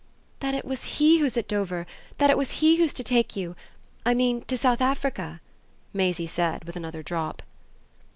"That it was he who's at Dover, that it was he who's to take you. I mean to South Africa," Maisie said with another drop.